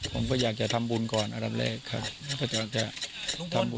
ผมก็อยากจะราวเสดงความรบรวมที่หมอนก่อนอันดับแรกครับ